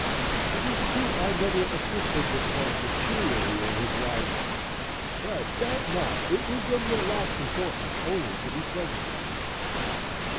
It is true, I never assisted the sun materially in his rising, but, doubt not, it was of the last importance only to be present at it.